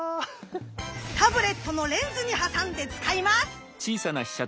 タブレットのレンズに挟んで使います。